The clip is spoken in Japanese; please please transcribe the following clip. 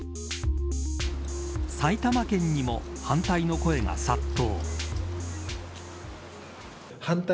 埼玉県にも反対の声が殺到。